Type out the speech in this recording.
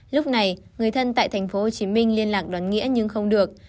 lúc này người thân tại tp hcm liên lạc đón nghĩa nhưng không được